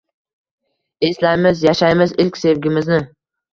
Eslamay yashaymiz ilk sevgimizni